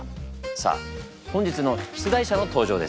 さあ本日の出題者の登場です。